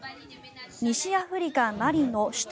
西アフリカ・マリの首都